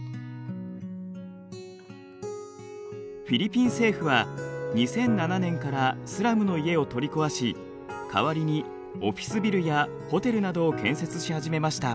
フィリピン政府は２００７年からスラムの家を取り壊し代わりにオフィスビルやホテルなどを建設し始めました。